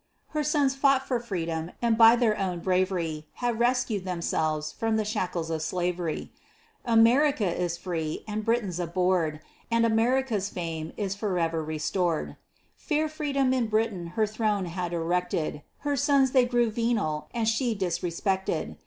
Her sons fought for freedom, and by their own bravery Have rescued themselves from the shackles of slavery; America is free; and Britain's abhorr'd; And America's fame is forever restored. Fair Freedom in Britain her throne had erected; Her sons they grew venal, and she disrespected.